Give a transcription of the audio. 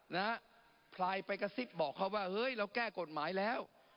นะฮะพลายไปกระซิบบอกเขาว่าเฮ้ยเราแก้กฎหมายแล้ว